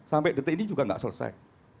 sampai detik ini juga nggak selesai